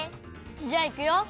じゃあいくよ！